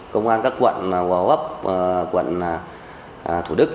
công an các quận hồ hồ bắc quận thủ đức